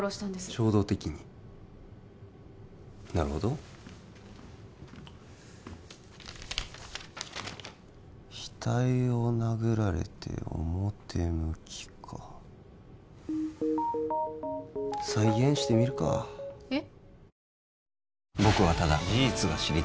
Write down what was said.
衝動的になるほど額を殴られて表向きか再現してみるかえっ？